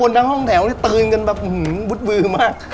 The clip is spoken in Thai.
ผมทั้งห้องแถวนี้ตื่นกันหืมรู้สึกเบื่อมาก